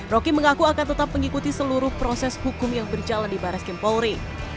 rocky mengaku akan tetap mengikuti seluruh proses hukum yang berjalan di barai skimpori